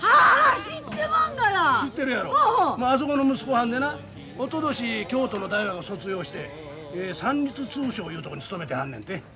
あそこの息子はんでなおととし京都の大学卒業して三立通商いうとこに勤めてはんねんて。